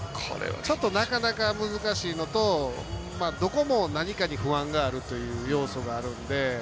ちょっとなかなか難しいのとどこも何かに不安があるという要素があるんで。